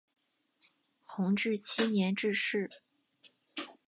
弘治七年致仕。